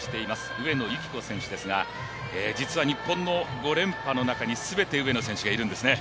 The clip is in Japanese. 上野由岐子選手ですが実は日本の５連覇の中に全て上野選手がいるんですね。